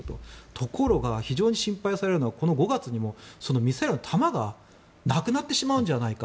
ところが、非常に心配されるのはこの５月にもそのミサイルの弾がなくなってしまうんじゃないか。